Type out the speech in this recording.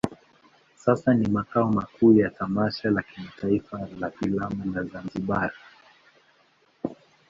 Sasa ni makao makuu ya tamasha la kimataifa la filamu la Zanzibar.